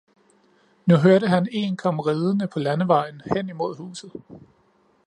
Nu hørte han én komme ridende på landevejen hen imod huset.